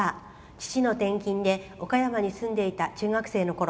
父の転勤で、岡山に住んでいた中学生のころ